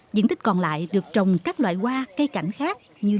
diện tích còn lại được trồng các loại hoa cây cảnh khác như